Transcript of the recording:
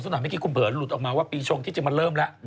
สักหน่าไม่คิดคุณเปลี่ยนหรือหลุดออกมาว่าปีชงที่จะมาเริ่มแล้ว